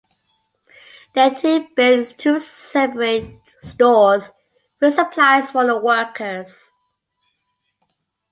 They, too, built two separate stores with supplies for the workers.